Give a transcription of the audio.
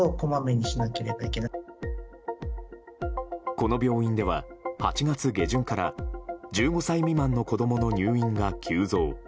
この病院では８月下旬から１５歳未満の子供の入院が急増。